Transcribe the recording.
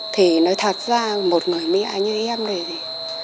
thì nói thật ra một người mẹ như em này này